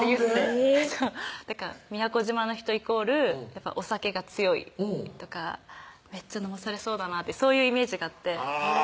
えぇ宮古島の人イコールお酒が強いとかめっちゃ飲まされそうだなってそういうイメージがあってあぁ